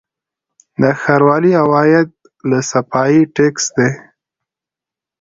د ښاروالۍ عواید له صفايي ټکس دي